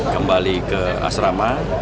kembali ke asrama